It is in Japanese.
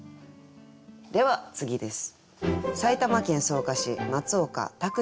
では次です。